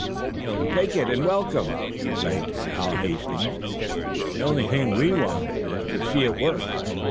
"Take it and welcome," begged Hal Hastings. "The only thing we want is to see it work."